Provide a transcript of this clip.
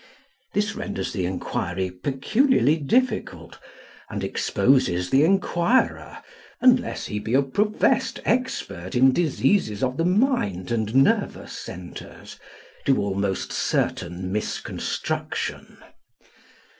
This renders the enquiry peculiarly difficult, and exposes the enquirer, unless he be a professed expert in diseases of the mind and nervous centres, to almost certain misconstruction.